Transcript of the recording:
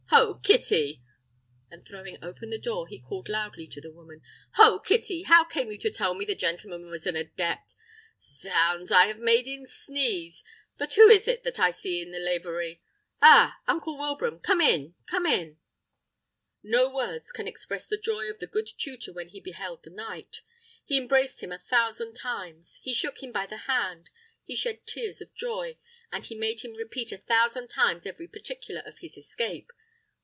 Ho, Kitty!" and throwing open the door, he called loudly to the woman, "Ho, Kitty! how came you to tell me the gentleman was an adept? Zounds! I've made him sneeze. But who is that I see in the lavery? Oh, uncle Wilbraham! Come in! come in!" No words can express the joy of the good tutor when he beheld the knight. He embraced him a thousand times; he shook him by the hand; he shed tears of joy, and he made him repeat a thousand times every particular of his escape.